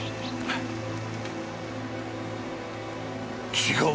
違う。